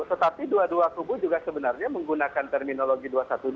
tetapi dua dua kubu juga sebenarnya menggunakan terminologi dua ratus dua belas